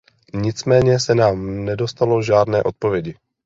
Nicméně se nám nedostalo žádné odpovědi.